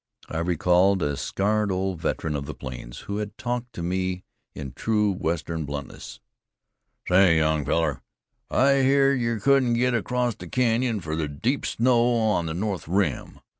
I recalled a scarred old veteran of the plains, who had talked to me in true Western bluntness: "Say, young feller, I heerd yer couldn't git acrost the Canyon fer the deep snow on the north rim.